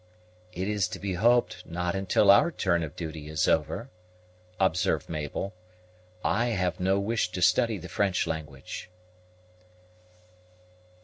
"It is to be hoped not until our turn of duty is over," observed Mabel. "I have no wish to study the French language."